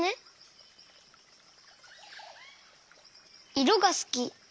いろがすき。